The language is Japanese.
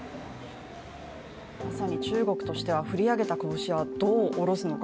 まさに中国としては振り上げた拳をどうおろすのか